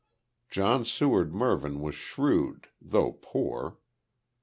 John Seward Mervyn was shrewd, though poor.